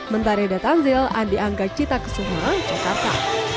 menteri datangzil andi angga cita kesuhara jakarta